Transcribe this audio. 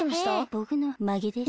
ぼくのまけです。